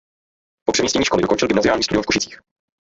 Po přemístění školy dokončil gymnaziální studium v Košicích.